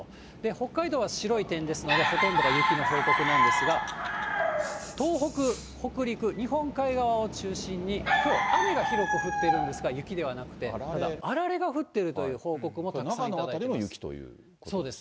北海道は白い点ですので、ほとんどが雪の報告なんですが、東北、北陸、日本海側を中心に、きょう、雨が広く降っているんですが、雪ではなくて、あられが降っているという報告など寄せられています。